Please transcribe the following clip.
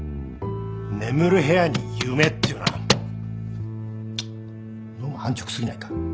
眠る部屋に「夢」っていうのはどうも安直すぎないか？